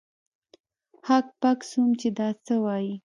هک پک سوم چې دا څه وايي.